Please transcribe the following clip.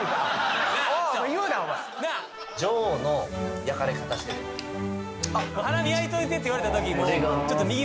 あ上の焼かれ方してるハラミ焼いといてって言われたときもうちょっと右